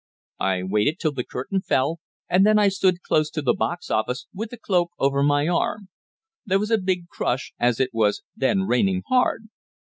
"I waited till the curtain fell, and then I stood close to the box office with the cloak over my arm. There was a big crush, as it was then raining hard.